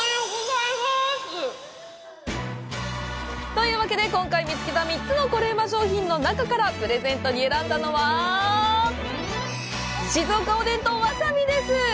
というわけで、今回見つけた３つのコレうま商品の中からプレゼントに選んだのは「静岡おでん」と「わさび」です。